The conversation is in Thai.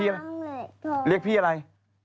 เรียกพี่อะไร